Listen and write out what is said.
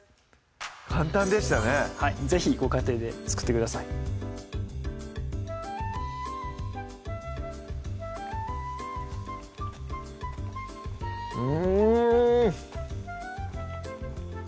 簡単でしたね是非ご家庭で作ってくださいうん！